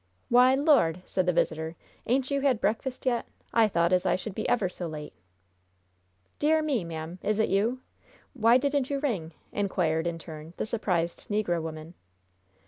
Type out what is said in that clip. "Why, Lord!" said the visitor. "Ain't you had breakfast yet? I thought as I should be ever so late!" "Dear me, ma'am! Is it you? W'y didn't you ring?" inquired, in turn, the surprised negro woman.